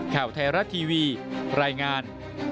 ข่าวไทยรัฐทีวีรายงาน